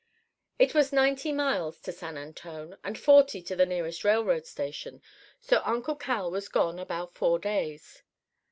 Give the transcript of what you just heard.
"It was ninety miles to San Antone, and forty to the nearest railroad station, so Uncle Cal was gone about four days.